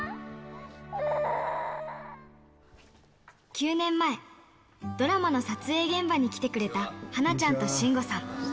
９年前、ドラマの撮影現場に来てくれたはなちゃんと信吾さん。